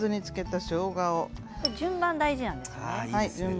順番が大事なんですよね。